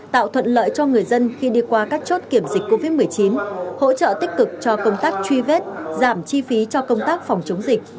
tạo thuận lợi cho người dân khi đi qua các chốt kiểm dịch covid một mươi chín hỗ trợ tích cực cho công tác truy vết giảm chi phí cho công tác phòng chống dịch